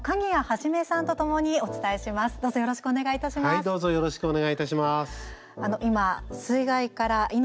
はい、どうぞよろしくお願いいたします。